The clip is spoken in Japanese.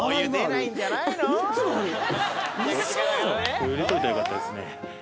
お湯入れといたらよかったですね。